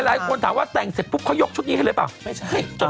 หลายคนถามว่าใส่ก็เลือกชุดงี้อะไรป่าวไม่ใช่